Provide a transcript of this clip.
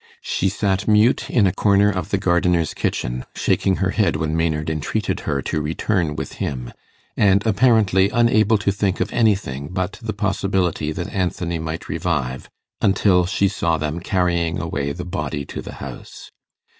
She sat mute in a corner of the gardener's kitchen shaking her head when Maynard entreated her to return with him, and apparently unable to think of anything but the possibility that Anthony might revive, until she saw them carrying away the body to the house.